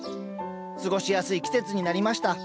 過ごしやすい季節になりました。